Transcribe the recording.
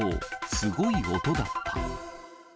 すごい音だった。